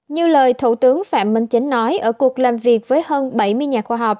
như lời thủ tướng phạm minh chính nói ở cuộc làm việc với hơn bảy mươi nhà khoa học